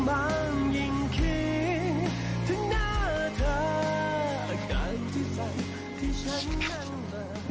อาการที่สั่งที่ฉันนั่งมือ